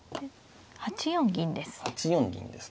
８四銀です。